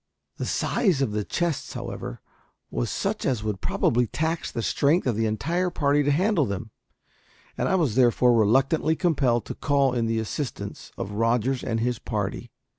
The size of the chests, however, was such as would probably tax the strength of the entire party to handle them, and I was therefore reluctantly compelled to call in the assistance of Rogers and his party.